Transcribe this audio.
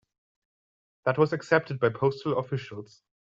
That was accepted by postal officials.